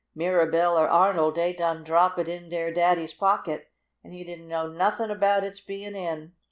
Mirabell or Arnold, dey done drop it in dere Daddy's pocket, an' he didn't know nothin' about its bein' in.